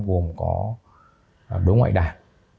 gồm có đối ngoại đảng